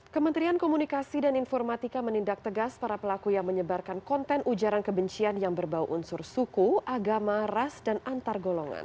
kementerian komunikasi dan informatika menindak tegas para pelaku yang menyebarkan konten ujaran kebencian yang berbau unsur suku agama ras dan antar golongan